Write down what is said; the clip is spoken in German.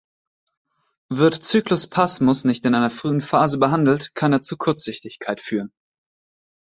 Wir Zykluspasmus nicht in einer frühen Phase behandelt, kann er zu Kurzsichtigkeit führen.